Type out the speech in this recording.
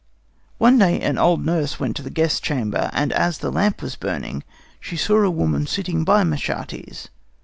"One day an old nurse went to the guest chamber, and as the lamp was burning, she saw a woman sitting by Machates.